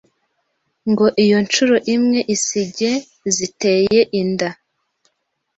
ngo iyo nshuro imwe isige ziteye inda.